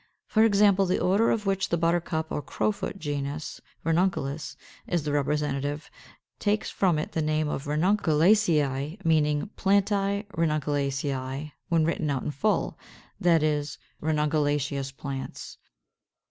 For example, the order of which the Buttercup or Crowfoot genus, Ranunculus, is the representative, takes from it the name of Ranunculaceæ; meaning Plantæ Ranunculaceæ when written out in full, that is, Ranunculaceous Plants.